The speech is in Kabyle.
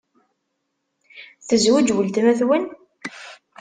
Tezweǧ weltma-twen?